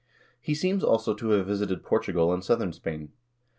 He seems also to have visited Portugal and southern Spain.